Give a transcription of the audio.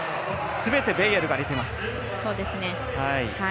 すべてベイエルが入れています。